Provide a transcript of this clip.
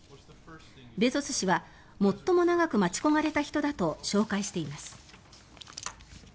ベゾス氏は最も長く待ち焦がれた人だと紹介しています。